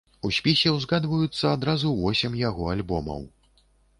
У спісе ўзгадваюцца адразу восем яго альбомаў.